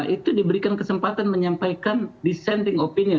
itu diberikan kesempatan menyampaikan dissenting opinion